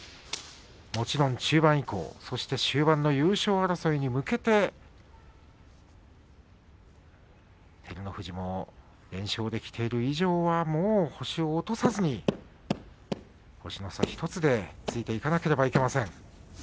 もちろん、中盤以降そして終盤の優勝争いに向けて照ノ富士も連勝できている以上は星を落とさずに星の差１つでついていかなくてはいけません。